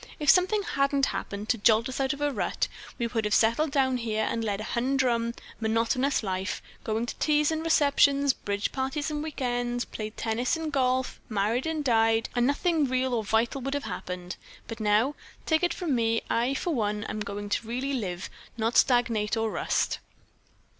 If something hadn't happened to jolt us out of a rut, we would have settled down here and led a humdrum, monotonous life, going to teas and receptions, bridge parties and week ends, played tennis and golf, married and died, and nothing real or vital would have happened. But, now, take it from me, I, for one, am going to really live, not stagnate or rust."